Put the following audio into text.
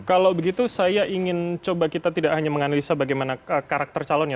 kalau begitu saya ingin coba kita tidak hanya menganalisa bagaimana karakter calonnya